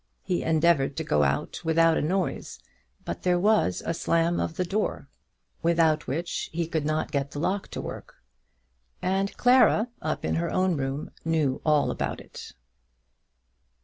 He endeavoured to go out without a noise, but there was a slam of the door, without which he could not get the lock to work; and Clara, up in her own room, knew all about it.